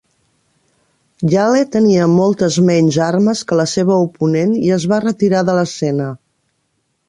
"Yale" tenia moltes menys armes que la seva oponent i es va retirar de l'escena.